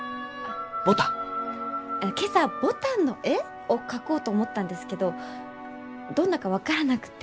今朝牡丹の絵？を描こうと思ったんですけどどんなか分からなくて。